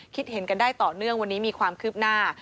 คิดเห็นกันได้ต่อเนื่องวันนี้มีความคืบหน้า